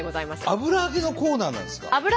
油揚げのコーナーです。